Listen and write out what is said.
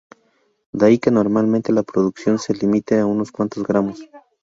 De ahí que normalmente la producción se limite a unos cuantos gramos.